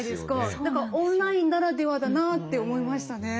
だからオンラインならではだなって思いましたね。